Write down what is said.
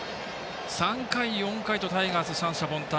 ３回、４回とタイガース三者凡退。